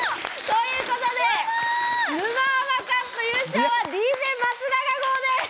ということで「沼ハマカップ」優勝はＤＪ松永号です！